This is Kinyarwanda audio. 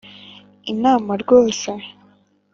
inama rwose